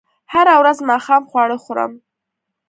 هره ورځ ماښام خواړه خورم